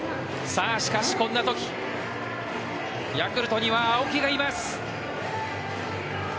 しかし、こんなときヤクルトには青木がいます。